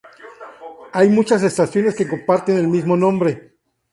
Hay muchas estaciones que comparten el mismo nombre.